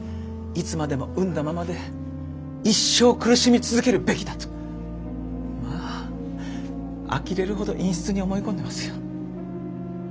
いつまでも膿んだままで一生苦しみ続けるべきだとまああきれるほど陰湿に思い込んでますよ。